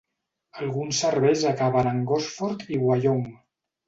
Alguns serveis acaben en Gosford i Wyong.